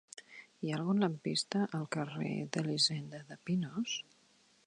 Hi ha algun lampista al carrer d'Elisenda de Pinós?